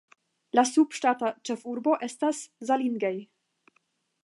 La subŝtata ĉefurbo estas Zalingei.